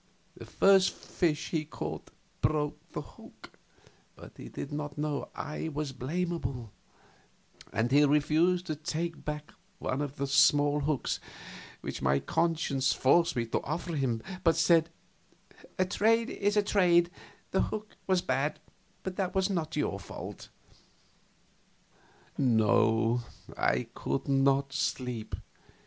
The first fish he caught broke the hook, but he did not know I was blamable, and he refused to take back one of the small hooks which my conscience forced me to offer him, but said, "A trade is a trade; the hook was bad, but that was not your fault." No, I could not sleep.